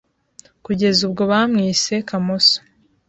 kugeza ubwo bamwise “Kamoso”.